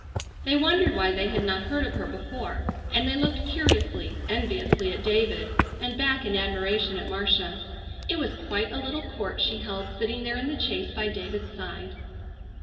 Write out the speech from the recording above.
They wondered why they had not heard of her before, and they looked curiously, enviously at David, and back in admiration at Marcia. It was quite a little court she held sitting there in the chaise by David's side.